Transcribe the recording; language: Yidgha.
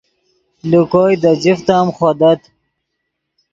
لے کوئے دے جفت ام خودت